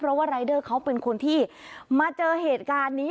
เพราะว่ารายเดอร์เขาเป็นคนที่มาเจอเหตุการณ์นี้